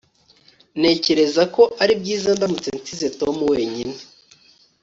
Ntekereza ko ari byiza ndamutse nsize Tom wenyine